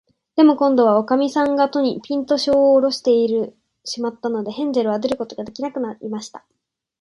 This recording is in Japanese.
でも、こんどは、おかみさんが戸に、ぴんと、じょうをおろしてしまったので、ヘンゼルは出ることができなくなりました。